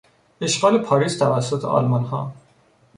اشغال پاریس توسط آلمانها